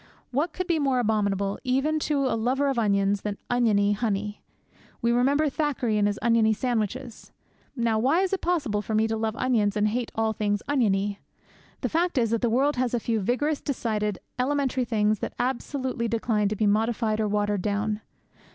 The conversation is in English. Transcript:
What could be more abominable, even to a lover of onions, than oniony honey? We remember Thackeray and his oniony sandwiches. Now why is it possible for me to love onions and to hate all things oniony? The fact is that the world has a few vigorous, decided, elementary things that absolutely decline to be modified or watered down.